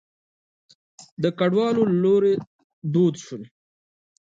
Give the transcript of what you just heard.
د کډوالو له لوري دود شول.